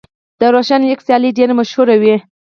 د روشن لیګ سیالۍ ډېرې مشهورې وې.